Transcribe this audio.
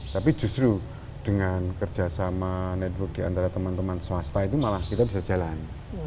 tapi justru dengan kerjasama network diantara teman teman swasta itu malah kita bisa jalan